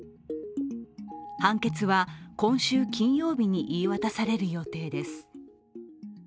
判決は、今週金曜日に言い渡される予定です。